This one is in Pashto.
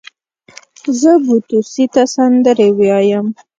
زه بو توسې ته سندرې ويايم.